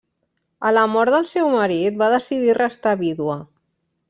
A la mort del seu marit, va decidir restar vídua.